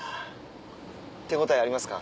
手応えありますか？